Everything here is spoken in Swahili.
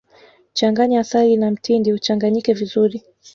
changanya asali na mtindi uchanganyike vizuri